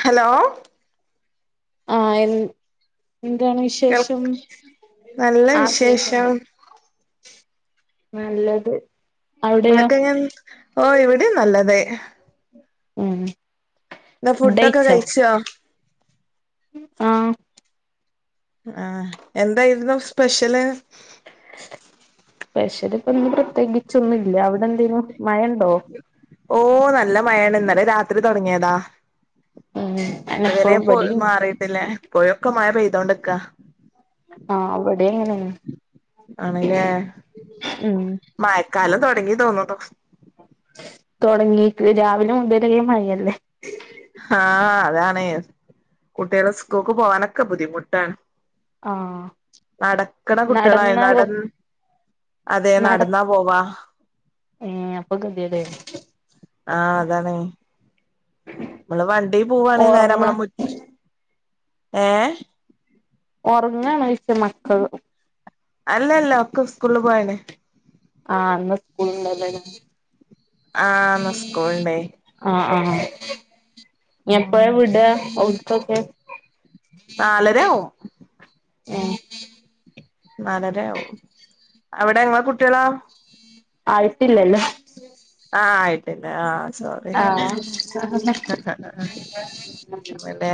Hello ആഹ് എ എന്താണ് കേൾ വിശേഷം നല്ല ആ വിശേഷം കേക്ക്ണ്ട് നല്ലത് അവിടെയോ നിങ്ങക്കെങ്ങാൻ ഓഹ് ഇവിടെ നല്ലതായ് ഉം എന്നാ ഫുഡൊക്കെ ഫുഡയിച്ചോ കഴിച്ചോ? ആഹ് ആഹ് എന്താ ഇന്നും സ്പെഷ്യല്? പെഷല്‌ പ്പൊന്ന് പ്രത്യേകിച്ചൊന്നും ഇല്ല. അവിടെ എന്തേനും മഴണ്ടോ? ഓഹ് നല്ല മഴാണ്. ഇന്നലെ രാത്രി തൊട്ങ്ങിയതാ ഉം ഇത് വരെ അനപ്പളും പോയി ഇബടിം മാറിയിട്ടില്ല. ഇപ്പോഴൊക്കെ മഴ പെയ്തോണ്ട്ക്കാ. ആഹ് ഇവടേം അങ്ങനെന്നെ ആണ്ല്ലേ. ഉം മഴക്കാലം തൊട്ങ്ങി തോന്ന്ന്നു. തൊട്ങ്ങിക്ക് ‌‌രാവിലെ മുതലേ മയല്ലേ? ആഹ് അതാണെ കുട്ട്യാള് സ്കൂക്ക് പോവാനൊക്കെ ബുദ്ധിമുട്ടാണ്. ആഹ് നടക്കണ കുട്ട്യാളായി നടന്ന നട അതെ നട നട്ന്നാ പോവാ. ഏഹ് അപ്പൊ കെതീടേ മ്മള് വണ്ടി പോവാണെങ്കി നേരെ അമ്മളെ മുറ്റ് ഏ ഒർങ്ങാണോയ്ച്ച മക്കള് അല്ല അല്ല ഒക്കെ സ് ആഹ് ഇന്ന് സ്കൂളണ്ടല്ലേലേ ആഹ് ഇന്ന് സ്കൂളുണ്ടേ ആഹ്. ആഹ് എപ്പോഴാ വിട അവ്ടുത്തൊക്കെ? നാല രാവും ഏേ നല്ലരയാവും അവിടെ ഇങ്ങളെ കുട്ടി ളോ? ആയിട്ടില്ലല്ലോ ആഹ ആയിട്ട പിന്നെ ആ സോറി ആഹ് എബിടെ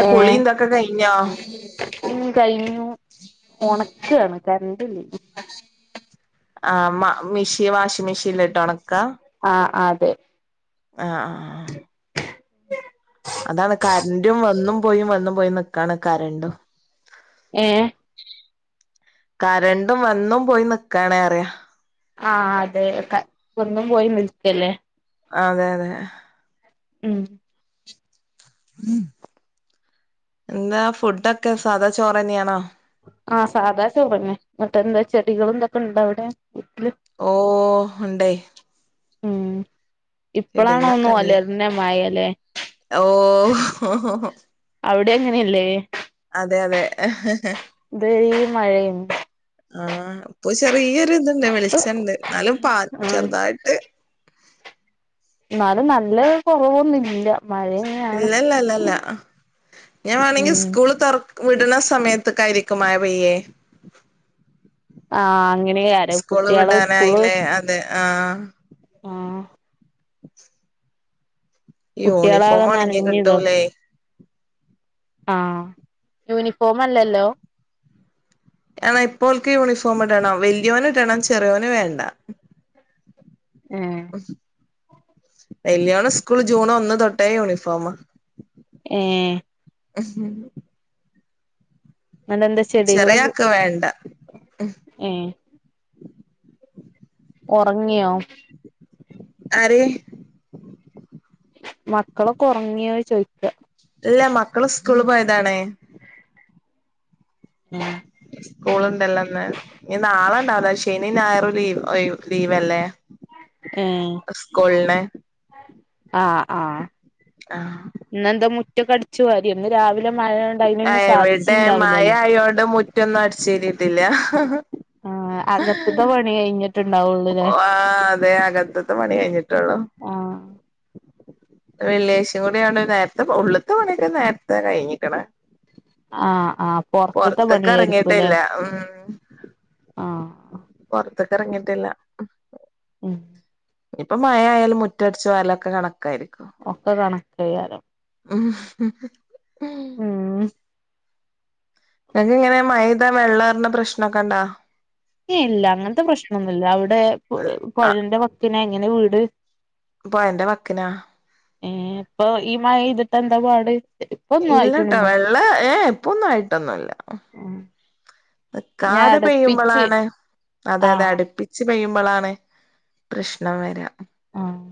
അെ കുളി ഇന്തൊക്കെ കഴ്ഞ്ഞോ ഇ കഴിഞ്ഞു ഉണക്കാണ് കരണ്ടില്ല ആ മിഷി വാഷിംഗ മെഷീനിലിട്ട് ഉണക്കാ [unintelligible] ആഹ ആ [unintelligible] അതാണ് കരന്റും വന്നും പോയി വന്നും പോയി നിക്കാണ് കരന്റും ഏ കരന്റും വന്നും പോയി നിക്കാണ് പറിയ ആഹ അതെ വന്നും പോയി നിൽക്കല്ലേ അതെ അതെ ഉം എന്താ ഫുഡൊക്കെ സാധാ ചോറ് തന്നെയാണോ ആഹ സാദാ ചോറന്നെ മറ്റെന്താ ചെടികളും ഇന്തൊക്കെ ഇണ്ടോ അവിടെ വീട്ടില് ഓ ഉണ്ടേ ഉം ഇപ്പളാണോന്നു ചെടികളൊക്കെ ഉണ്ട് ഒലർനെ മഴ ലെ ഓ അവിടെ അങ്ങനെയല്ലേ അതെ അതെ ഇതരേ മഴയേനി ആഹ ഇപ്പൊ ചെറിയൊരു ഇതുണ്ട് വെളിച്ചണ്ട് എന്നാലും പ ഉം ചെറുതായിട്ട് എന്നാലും നല്ല കുറവൊന്നുല്ല്യ ഇല്ലല്ല ഇല്ലല്ല ഞാൻ വേണെങ്കി ഉം സ്കൂള് തോർ- വിട്ണ സമയത്തൊക്കായിരിക്കും മഴ പയ്യേ ആഹ് അങ്ങനെയാരം സ്കൂള് കുട്ടികള് സ്കൂള് വിടാനായില്ലേ അതെ ആഹ ആഹ കുട്ടികളാകെ യൂണിഫോം ഒണങ്കി കിട്ടൂലേ ആഹ യൂണിഫോം അല്ലല്ലോ ആണ ഇപ്പോൾക്ക് യൂണിഫോം ഇടണം വലിയോൻ ഇടേണം ചെറിയോന് വേണ്ട ഏ വെല്ല്യോന് സ്കൂള് ജൂൺ ഒന്ന് തൊട്ടേ യൂണിഫോം ഏ ഉഹ് ന്നട്ടെന്താ ചെടികളൊ ചെറിയാക്ക് വേണ്ട ഉ ഒറങ്ങിയോ ആര് മക്കളൊക്കെ ഉറങ്ങിയോ ചോയ്ക്ക ഇല്ല മക്കള് സ്കൂള് പോയതാണ് [unintelligible] സ്കൂളുണ്ടല്ലോന്ന് ഇനി നാളെണ്ടാവുല ശനി ഞായറും ലീവ് ലീവല്ലെ ഏ സ്കൂൾണ് ആഹ ആഹ ആഹ് ഇന്നന്താ മുറ്റൊക്കെ അടിച്ചു വാരിയോ ഇന്ന് രാവില ആ എവിടെ മാഴയോണ്ട് മുറ്റൊന്നും അടിച്ചരിട്ടില്ല ആ അകത്തത്തെ പണി കഴിഞ്ഞിട്ടുണ്ടാവുള്ളൂല്ലേ ഓ ആ അതെ അകത്തത്തെ പണി കഴിഞ്ഞിട്ടുള്ളൂ ആ ഉ വെള്ളിയാഴ്ച കൂടി ആയോണ്ട് നേരത്തെ ഉള്ള്ത്ത പണിക്കെ നേര്ത്തെ കഴിഞ്ഞിക്ക്ണ്. ആ ആ പൊറത്തത്തെ പൊർത്ത്ക്ക് പണിയായിരിക്കുംല്ലേ എർങ്ങീട്ടില്ല ഉം. ആ പൊർത്ത്ക്ക് എർങ്ങീട്ടില്ല. ഉം. ഇഞ്ഞ് ഇപ്പൊ മഴയാലും മുറ്റട്ച്ചു വാരലൊക്കെ കണ ഒക്കെ കണക്കേക്കാരം. ഉം ഉം അങ്ങിനിയനെ മഴയ്ത വെള്ളേറ്ണ പ്രശ്നൊക്കണ്ടാ ഇല്ല അങ്ങനാത്തെ പ്രശ്നൊന്നില്ല അവ്ടെ ആഹ് പൊഴന്റെ വക്കിന ഇങ്ങന വീട്. പൊഴന്റെ വക്ക്നാ. ഏഹ് ഇപ്പൊ ഈ മഴയ്ത്ട്ടെന്താ പാട് ഇപ്പൊ ഒന്നും ഇല്ലട്ടൊ ആയിട്ടൊന്നും വെള്ള ഏഹ് ഇപ്പൊന്നായിട്ടൊന്നുല്ല ഞാൻ നികാതെ അടപ്പിച്ച് പെയ്യുമ്പളാണ് ആഹ് അതാണട്പ്പിച് പെയ്യു മ്പളാണ് പ്രശ്നം വര്ക ആഹ്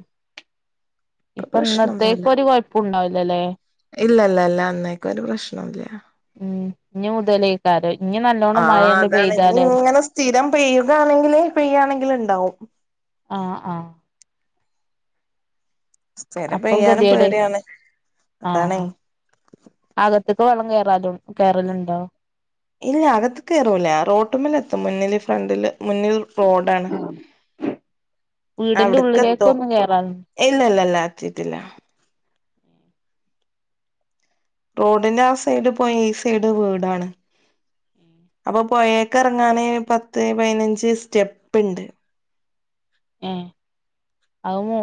ഇപ്പൊ ഇന്നത്തേക്ക് ഒര് കൊഴപ്പൊണ്ടാവിലാലെ ഇല്ലല്ലല്ലാ അമ്മേക്കൊര് പ്രശ്നോ ഇല്ല. ഉം ഇനി മുതലേക്കാരം ഇനി നല്ലോണം ആഹ് മഴയണ്ട് അതാണ് പെയ്താലേ ഇതിങ്ങനെ സ്ഥിരം പെയ്യുക ആണെങ്കില് പെയ്യാണെങ്കില് ഇണ്ടാവും ആഹ് ആഹ് സ്ഥിരം അപ്പം പെയ്യാനും ഗതീടെ പേടിയാണ് അതാണേ ആഹ് അകത്ത്ക്ക് വള്ളം വരും കേരല്ണ്ടോ ട്ട്മ്മലെ എത്തും മുന്നില് ഫ്രണ്ടില് മുന്നിൽ റോഡാണ്. വീടിന്റെ അവിട്ക്കെത്തും ഉള്ളിലേക്കൊന്നും കേറാറുണ്ട് ഇല്ലല്ലല്ലാ എത്തീട്ടില്ല റോഡിന്റെ ആഹ് സൈഡ് പോയി ഈ സൈഡ് വിടാണ് അപ്പൊ പൊഴേക്കെറങ്ങാന് പത്ത് പയിനഞ്ച് സ്റ്റെപ്പ്ണ്ട് ഏഹ് അവ്മൊ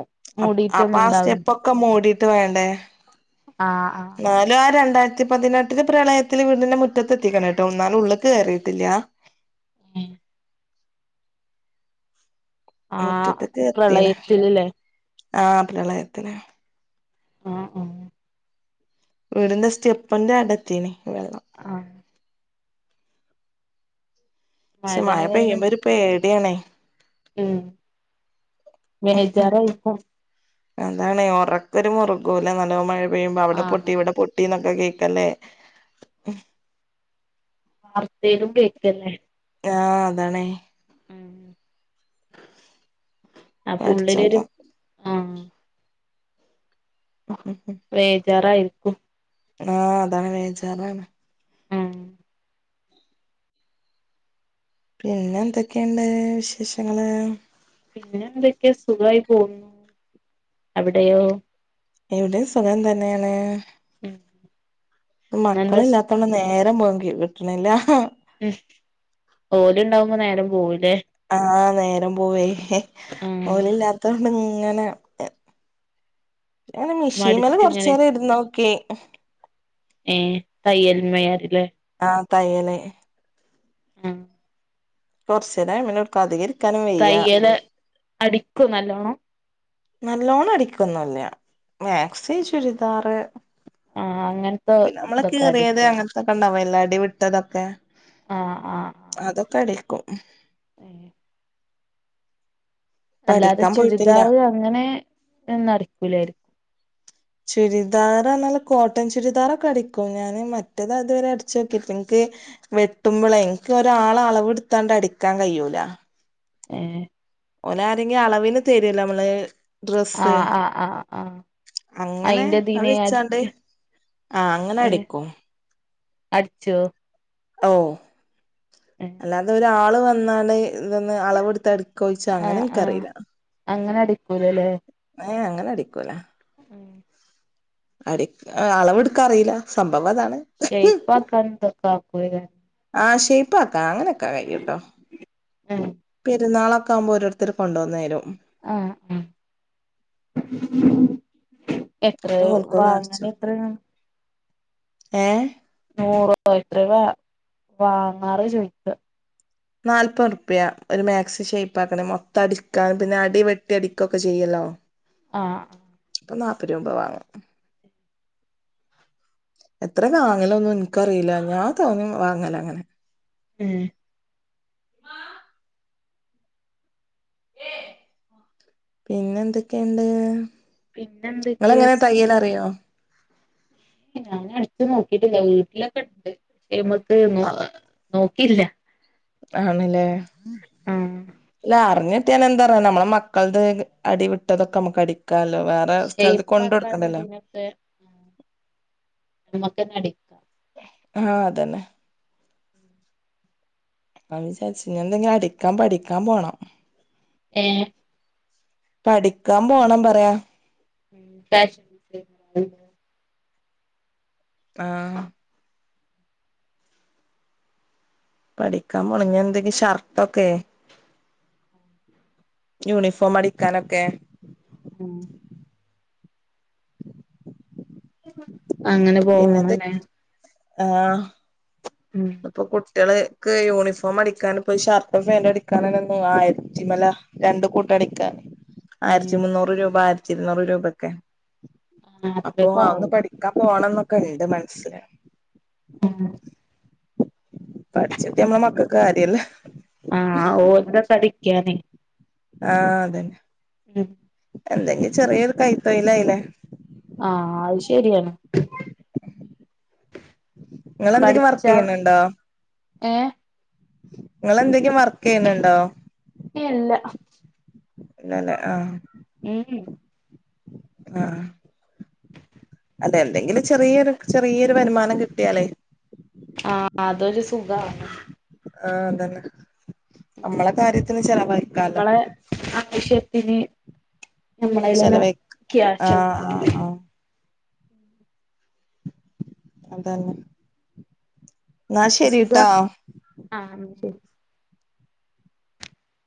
ആപ് അപ്പ ആഹ് സ്റ്റെപ്പൊക്കെ മൂടീട്ട് വേണ്ടെ. ആഹ് ആഹ് എന്നാലും ആഹ് രണ്ടാ യിരത്തി പതിനെട്ട്ല് പ്രളയത്തില് വീടിന്റെ മുറ്റത്തെത്തിക്ക്ണ് ട്ടൊ ഇന്നാലും ഉള്ള്ക്ക് കേറീട്ടില്ല ഏഹ് ആ മുറ്റത്തൊക്കെ എത്തീന് പ്രളയത്തിലല്ലേ ആഹ് പ്രളയത്തില് ആ വീട്ന്റെ സ്റ്റപ്പ്ന്റെ ഔടെ എത്തീന് വെള്ളം ആഹ് ശെ മഴ മഴയായാലും പെയ്യുമ്പൊരു പേടി ആണെ ഉം മേജറ് ഇപ്പം അതാണ് ഒറക്കൊരു മുറ്കൂല നല്ലോം മഴ പെയ്യുമ്പൊ അവിടെ പൊട്ടി ഇവടെ പൊട്ടിന്നൊക്കെ കേ ത്തന്നെ [unintelligible] കേക്കെന്നെ ആഹ് അതാണെ ഉം അപ്പൊ പടച്ചോൻ ഉള്ളിലൊരു കാ ആഹ് വേജാറായിരിക്കും ആഹ് അതാണ് വേജാറാണ് ഉം പിന്നെ എന്തെക്കെണ്ട് വിശേഷങ്ങള് പിന്നെ എന്തൊക്കെ സുഖായി പോവുന്നു അവിടെയോ? ഇവിടെ സുഖം തന്നെണ് ഉം ഇന്നെന്താ മക്കളില്ലാത്തോണ്ട് നേരം പോങ്കി കിട്ട്ണില്ല ഓല് ണ്ടാവുമ്പൊ നേരം പോവുംലെ ആ നേരം പോവെ ആ ഓലില്ലാത്ത ഇങ്ങനെ ങ്ങനെ മിഷീമ്മല് മടിച്ചിങ്ങനെ കൊറച്ചേരം ഇരുന്നോക്കി ഓഫ് [unintelligible] ഏ തയ്യൽമയാരില്ലേ ആ തയ്യലേ ആ തോർസേന മനൂട് കദഗിരി തയ്യല അടിക്കും നല്ലോണം നല്ലോണം അടിക്കൊന്നല്ല മാക്സേ ചുരിദാറ് ആ അങ്ങനത്തെ പിന്നെ നമ്മളെ ഇതൊക്കെ കയറിയത് അടിക്കോ അങ്ങനത്തെൊക്കെ ഉണ്ടാ നല്ലടി വിട്ടതൊക്കെ ആ ആ ആ അതൊക്കെ അടിക്കും [unintelligible] ഇപ്പ അല്ലാതെ അടിക്കാൻ പോയിട്ടില്ല ചുരിദാർ അങ്ങനെന്ന്ടിക്കൂലായിരിക്കും ചുരിദാറാ നല്ല കോട്ടൺ ചുരിദാറൊക്കെ അടിക്കും ഞാാന് മറ്റേതാ ഇതുവരെ അടച്ച് നോക്കിട്ട് നിനിക്ക് വെട്ടുമ്പോള എനിക്ക് ഒരാള അളവെടുത്താണ്ട് അടിക്കാൻ കഴിയൂല ഏ ഓനാരങ്കും അളവിന് തരുല്ലോ നമ്മള് ഡ്രസ്സ് ആഹ് ആഹ് ആഹ് ആഹ് അങ്ങനെ അത് അയിന്റെതീന് വച്ചാണ്ട് അടിക്ക ആ അങ്ങനെ എടക്കോ അടിച്ചു ഓ അല്ലാതെ ഒരാള് വന്നാണ് ഇതൊന്ന് അളവെടുത്ത് അടുക്കോഴിച്ച അങ്ങനെ എനക്ക്റിയില്ല അതല്ലേ ഞൻ അങ്ങനെ അടിക്കൂല ഉ അടി അളവെടുക്കാ അറിയില്ല സംഭവം അതാണ് ശപ്പാക്കാന്തക്കക്കയത ആ ഷേപ്പ് ആക്ക അങ്ങനെയൊക്കെ വൈട്ടോ ഏഹ് പെരുന്നാളൊെ ആകുമ്പോൾ ഓരോത്തർ കൊണ്ടുവന്നാലും ആ ആ എത്ര അപ്പൊ വാങ്ങണ്ട എത്രയാണ് ഏ നൂറ എത്രയ വാങ്ങാറ് ചോദിച്ച നാല്പ്പത് റുപ്യ ഒരു മാക്സി ഷേ്പപ്പ് ആക്കണ മൊത്തം അടിക്കാന പിന്നെ അടി വെട്ടി അടിക്കുക ഒക്കെ ചെയ്യല്ലോ ആ ഇപ്പൊ നാല്പ്പ രൂപ വാങ്ങണം എത്ര വാങ്ങലോ ഒന്നും നിനിക്കറിയില്ല ഞാ തോന്ന വാങ്ങല അങ്ങനെ ഉം ആ പിന്നെ എന്തൊക്കെയുണ്ട് പിന്നെന്തൊക്കെ നിങ്ങെങ്ങനെ തയ്യൽ സുഖം അറിയോ ഞാൻ അടിച്ചു നോക്കിട്ടില്ല വീട്ടിലൊക്കെ ഉണ്ട് പക്ഷെ നമക്ക് നോക്കില്ല ആണല്ലേല്ല ആഹ് പറഞ്ഞിട്ട് ഞാെ എന്താ പറയാ നമ്മള മക്കളുടെ അടി വിട്ടതൊക്കെ നമുക്ക്ടി ക്കല്ലോ വേറെ സ്ഥലത്ത് കൊണ്ട് ഷെയ്പ്പാക്കാനും കൊടുക്കണ്ടല്ലോ നമ്മക്ക് നടക്കാം [unintelligible] ആ അതന്നെ അപ്പ വിചാരിച്ചുൻ എന്തെങ്കിലും അടിക്കാൻ പഠിക്കാൻ പോണം ഏഹ് പഠിക്കാം പോണം പറയാ [unintelligible] ആഹ് പഠിക്കാൻ പോണം ഞ്ഞെന്തെക്കെ ഷർട്ടൊക്കെ യൂണിഫോം അടിക്കാനൊക്കെ ഉം അങ്ങനെ പിന്നത് പോവാണെല്ലേ? ആഹ് അപ്പ കു കുട്യോള് ക്ക് യൂണിഫോമടിക്കാന്പ്പൊ ഷർട്ടും ഫേന്റടിക്കാനാണ് ആയിരത്തിമേല രണ്ട് കൂട്ടൊക്കെ. ളിക്ക ആയിരത്തി ഏഹ് മുന്നൂറ് രൂപ ആയിരത്തിരുന്നൂറ് രൂപൊക്കെ. ആഹ് അപ്പൊ അന്ന് അത്രക്കാവും പഠിക്കാൻ പോണന്നൊക്കെണ്ട് മനസ്സില്. ഉം പഠിച്ചിട്ട് നമ്മളെ മക്കക്ക് കാര്യല്ല. ആഹ് [unintelligible] തടിക്കാനേ. ആഹ് അതന്നെ. ഉം എന്തെങ്കി ചെറിയൊരു കൈതൊഴിലായില്ലേ. ആഹ് അത് ശരിയാണ്. നിങ്ങളെന്തെങ്കിലും പഠിച്ചാ വർക്കിയ്യ്ണ് ണ്ടോ? ഏഹ് ങ്ങളെന്തെങ്കിം വർക്കിയ്യ്ണ്ണ്ണ്ടോ? ഇല്ല ഇല്ലല്ലേ ആഹ് ഉം ഉ ആഹ് അതെന്തെങ്കിലും ചെറിയൊരു ചെറിയൊരു വരുമാനം കിട്ടിയാലേ, സുകാണ്. ആഹ് അതന്നെ ഉം നമ്മളെ കാര്യത്തിന് ചെലവഴിക്കാലോ. പിന്നെ നമ്മളേലെന്നെ? ചെലവഴി ആഹ് ആഹ് [unintelligible] അതാന്ന് ന്നാ സുഖാ ശരിട്ടോ. ആഹ് ശരി